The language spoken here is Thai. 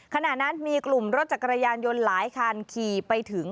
ขณะนั้นมีกลุ่มรถจักรยานยนต์หลายคันขี่ไปถึง